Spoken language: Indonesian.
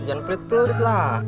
jangan pelit pelit lah